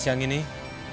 kita akan mencari mereka